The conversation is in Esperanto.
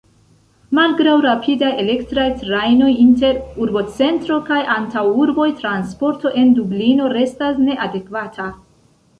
Malgraŭ rapidaj elektraj trajnoj inter urbocentro kaj antaŭurboj, transporto en Dublino restas neadekvata.